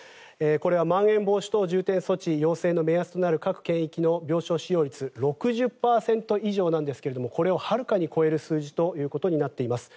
これはまん延防止等重点措置要請となる各圏域の病床使用率６０％以上なんですがこれをはるかに超える数字となっています。